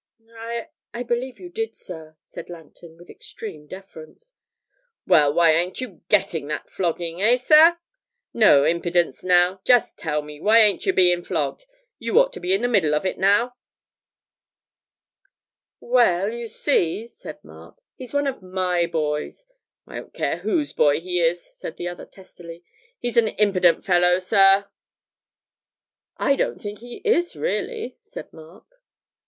'I I believe you did, sir,' said Langton with extreme deference. 'Well, why ain't you getting that flogging eh, sir? No impidence, now just tell me, why ain't you being flogged? You ought to be in the middle of it now!' 'Well, you see,' said Mark, 'he's one of my boys ' 'I don't care whose boy he is,' said the other, testily; 'he's an impident fellow, sir.' 'I don't think he is, really,' said Mark.